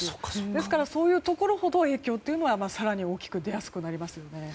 ですから、そういうところほど影響が更に大きく出やすくなりますね。